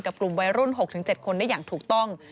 กลุ่มวัยรุ่น๖๗คนได้อย่างถูกต้อง